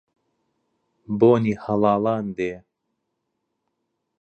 بۆنی هەڵاڵان دێ